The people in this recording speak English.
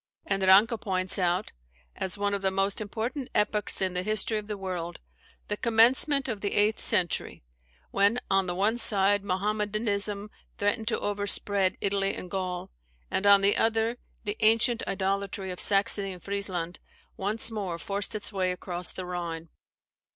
] and Ranke points out, as "one of the most important epochs in the history of the world, the commencement of the eighth century; when, on the one side, Mahommedanism threatened to overspread Italy and Gaul, and on the other, the ancient idolatry of Saxony and Friesland once more forced its way across the Rhine.